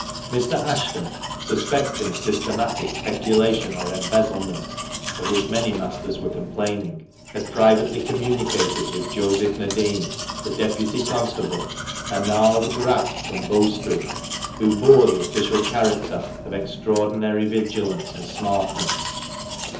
Mr. Ashton, suspecting systematic peculation or embezzlement (of which many masters were complaining) had privately com municated with Joseph Nadin, the deputy constable, a gnarled graft from Bow Street, who bore the official character of extraordinary vigilance and smartness.